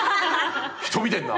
人見てんな。